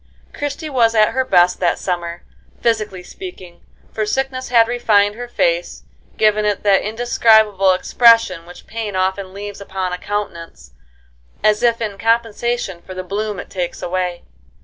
Christie was at her best that summer, physically speaking, for sickness had refined her face, giving it that indescribable expression which pain often leaves upon a countenance as if in compensation for the bloom it takes away.